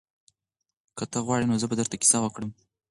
که ته غواړې نو زه به درته کیسه وکړم.